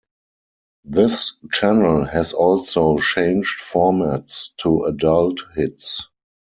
This channel has also changed formats to Adult Hits.